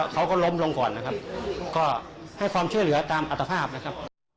เขาก็ล้มลงก่อนนะครับก็ให้ความช่วยเหลือตามอัตภาพนะครับ